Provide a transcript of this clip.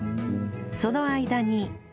その間に